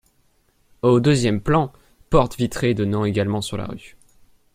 Au deuxième plan, porte vitrée donnant également sur la rue.